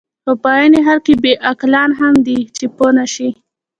خو په عین حال کې بې عقلان هم دي، چې پوه نه شي.